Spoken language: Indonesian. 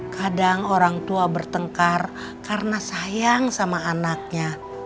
kadang orang tua bertengkar karena sayang sama anaknya